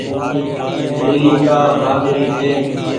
ٻلي ڪآ ڀآگ ري ڇي۔